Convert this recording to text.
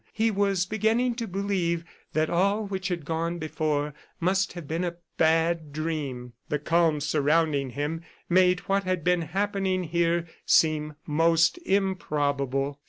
He was beginning to believe that all which had gone before must have been a bad dream. The calm surrounding him made what had been happening here seem most improbable.